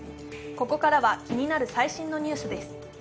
ここからは気になる最新のニュースです。